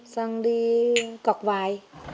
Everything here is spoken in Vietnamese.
sang đi cọc vài